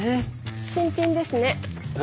新品ですね。